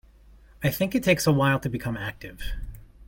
I think it takes a while to become active.